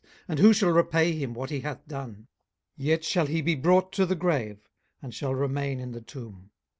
and who shall repay him what he hath done? 18:021:032 Yet shall he be brought to the grave, and shall remain in the tomb.